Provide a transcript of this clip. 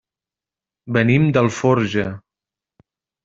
Venim d'Alforja.